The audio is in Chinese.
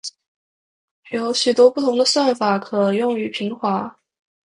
有许多不同的算法可用于平滑。